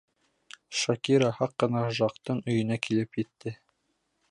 Шакира һаҡ ҡына Жактың өйөнә килеп етте.